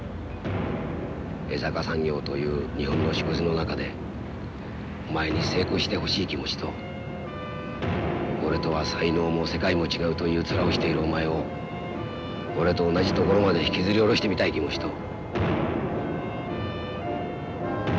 江坂産業という日本の縮図の中でお前に成功してほしい気持ちと俺とは才能も世界も違うという面をしているお前を俺と同じところまで引きずり下ろしてみたい気持ちと。